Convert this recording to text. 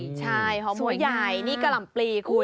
โอ้ใช่หัวใหญ่นี่การำปลีคุณ